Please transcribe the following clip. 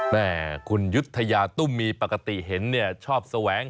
แม่คุณยุธยาตุ้มมีปกติเห็นเนี่ยชอบแสวง